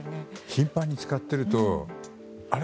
頻繁に使っているとあれ？